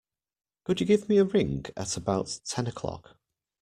Could you give me a ring at about ten o'clock?